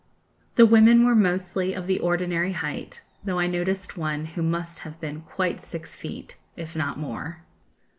The women were mostly of the ordinary height, though I noticed one who must have been quite six feet, if not more."